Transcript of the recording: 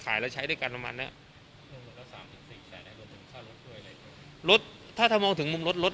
กระมาณเกี่ยวกับแสนสองแล้วไปรวมนอกเหนือจากนี้